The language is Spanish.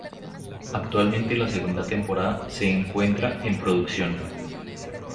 Actualmente la segunda temporada se encuentra en producción.